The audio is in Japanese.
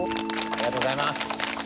ありがとうございます。